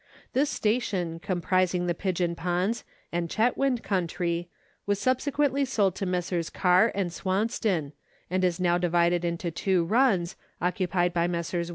This station, com prising the Pigeon Ponds and Chetwynd country, was subse quently sold to Messrs. Kerr and Swanston, and is now divided into two runs, occupied by Messrs.